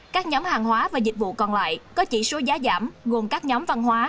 các nhóm hàng hóa và dịch vụ còn lại có chỉ số giá giảm gồm các nhóm văn hóa